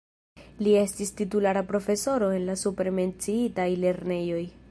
Li estis titulara profesoro en la supre menciitaj lernejoj.